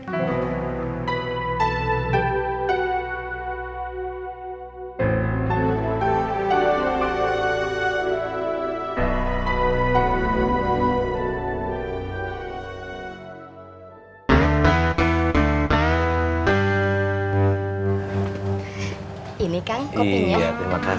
lihatlah begini ivolusi bitcoin sebenarnya